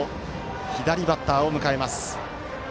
左バッターを迎えます。